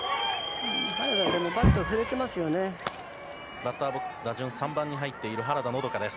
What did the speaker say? バッターボックス打順３番に入っている原田のどかです。